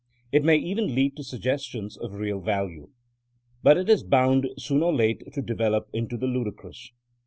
It may even lead to suggestions of real value. But it is bound soon or late to develop into the ludicrous.